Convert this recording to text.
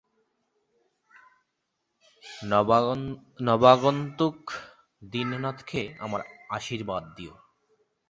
নবাগন্তুক দীননাথকে আমার আশীর্বাদ দিও।